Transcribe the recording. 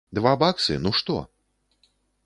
Два баксы, ну што?